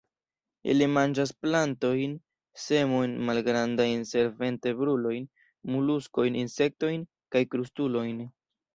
Ili manĝas plantojn, semojn, malgrandajn senvertebrulojn, moluskojn, insektojn kaj krustulojn.